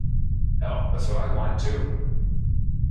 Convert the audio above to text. Hell, that's what I want too.